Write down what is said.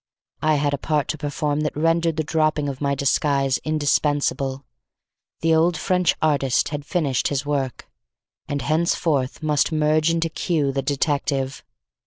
I had a part to perform that rendered the dropping of my disguise indispensable. The old French artist had finished his work, and henceforth must merge into Q. the detective.